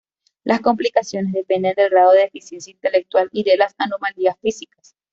Las complicaciones dependen del grado de deficiencia intelectual y de las anomalías físicas.